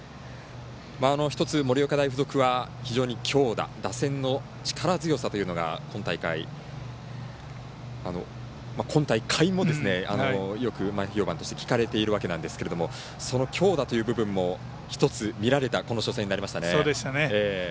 １つ、盛岡大付属は非常に強打打線の力強さというのが今大会もよく前評判として聞かれているわけなんですがその強打という部分も１つ見られたこの初戦になりましたね。